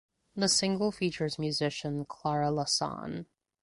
The single features musician Clara La San.